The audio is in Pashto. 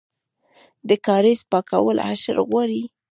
د کاریز پاکول حشر غواړي؟